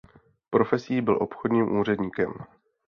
Profesí byl obchodním úředníkem.